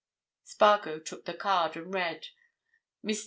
Spargo took the card and read: MR.